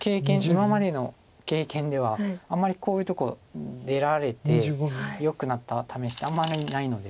今までの経験ではあまりこういうとこ出られてよくなったためしってあんまりないので。